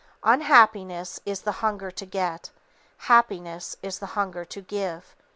Unhappiness is the hunger to get; Happiness is the hunger to give.